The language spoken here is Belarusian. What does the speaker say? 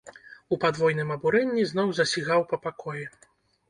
У падвойным абурэнні зноў засігаў па пакоі.